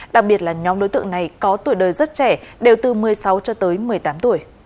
đặc biệt là nhóm đối tượng này có tuổi đời rất trẻ đều từ một mươi sáu cho tới một mươi tám tuổi